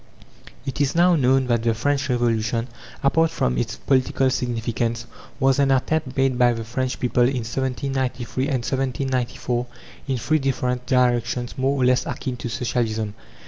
It is now known that the French Revolution, apart from its political significance, was an attempt made by the French people, in 1793 and 1794, in three different directions more or less akin to Socialism.